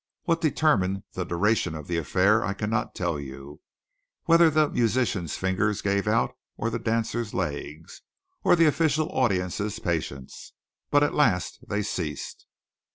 What determined the duration of the affair, I cannot tell you; whether the musicians' fingers gave out, or the dancers' legs, or the official audience's patience. But at last they ceased.